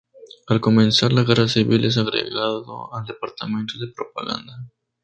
Al comenzar la Guerra Civil es agregado al departamento de propaganda.